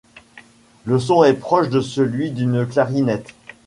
Le son est proche de celui d'une clarinette.